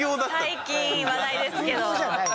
最近話題ですけど。